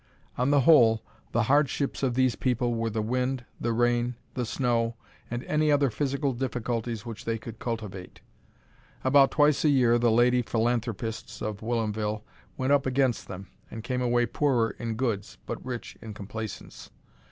On the whole, the hardships of these people were the wind, the rain, the snow, and any other physical difficulties which they could cultivate. About twice a year the lady philanthropists of Whilomville went up against them, and came away poorer in goods but rich in complacence.